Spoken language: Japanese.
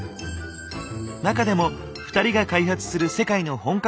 中でも２人が開発する世界の本格